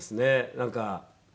なんか。